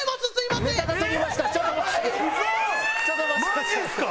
マジっすか？